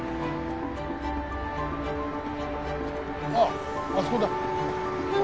あっあそこだ。